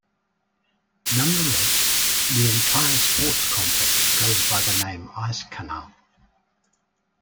Nonetheless, the entire sports complex goes by the name Eiskanal.